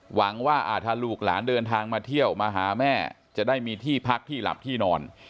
หวังว่าถ้าลูกหลานเดินทางมาเที่ยวมาหาแม่จะได้มีที่พักที่หลับที่นอน